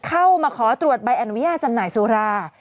เข้ามาขอตรวจใบอนุญาตจำหน่ายสุรา